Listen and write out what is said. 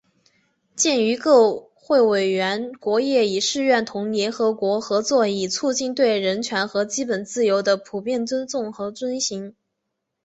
鉴于各会员国业已誓愿同联合国合作以促进对人权和基本自由的普遍尊重和遵行